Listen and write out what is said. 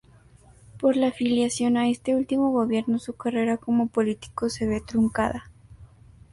Por la afiliación a este último gobierno, su carrera como político se ve truncada.